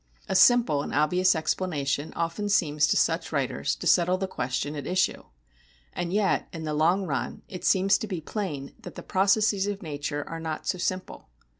A simple and obvious explanation often seems to such writers to settle the question at issue. And yet in the long run it seems to be plain that the processes of nature are not so simple.